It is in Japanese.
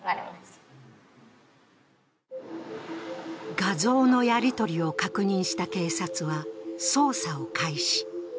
画像のやり取りを確認した警察は捜査を開始。